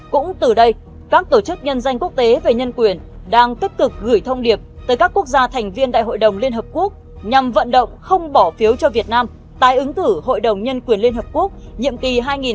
cũng từ đây các tổ chức nhân danh quốc tế về nhân quyền đang tích cực gửi thông điệp tới các quốc gia thành viên đại hội đồng liên hợp quốc nhằm vận động không bỏ phiếu cho việt nam tại ứng thử hội đồng nhân quyền liên hợp quốc nhiệm kỳ hai nghìn hai mươi hai nghìn hai mươi một